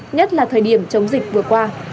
nhất là thời điểm chống dịch vừa qua